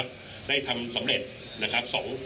คุณผู้ชมไปฟังผู้ว่ารัฐกาลจังหวัดเชียงรายแถลงตอนนี้ค่ะ